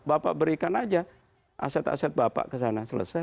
bapak berikan aja aset aset bapak ke sana selesai